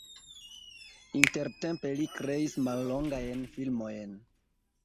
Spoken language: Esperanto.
Intertempe li kreis mallongajn filmojn.